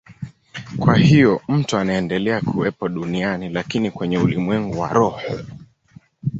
Kwa hiyo mtu anaendelea kuwepo duniani, lakini kwenye ulimwengu wa roho.